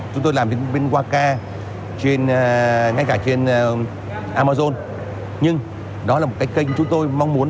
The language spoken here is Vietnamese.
chúng tôi làm bên waka ngay cả trên amazon nhưng đó là một cái kênh chúng tôi mong muốn